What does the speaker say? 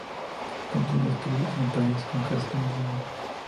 Continuó estudios en París con Gaston Bonnier.